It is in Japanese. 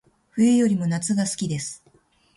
冬よりも夏が好きです